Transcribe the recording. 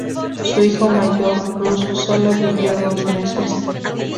Su hijo mayor, Bruce, sólo vivió dos meses.